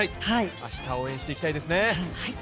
明日、応援していきたいですね。